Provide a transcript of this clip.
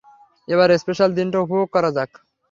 এবার স্পেশাল দিনটা উপভোগ করা যাক।